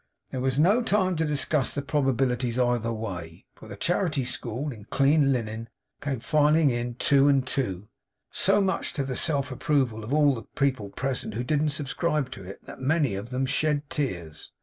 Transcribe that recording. There was no time to discuss the probabilities either way, for the charity school, in clean linen, came filing in two and two, so much to the self approval of all the people present who didn't subscribe to it, that many of them shed tears.